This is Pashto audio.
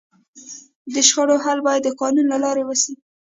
د شخړو حل باید د قانون له لارې وسي.